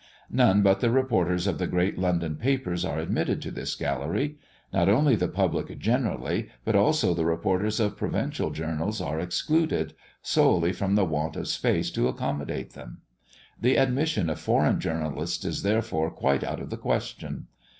None but the reporters of the great London papers are admitted to this gallery. Not only the public generally but also the reporters of provincial journals are excluded, solely from the want of space to accommodate them. The admission of Foreign journalists is therefore quite out of the question.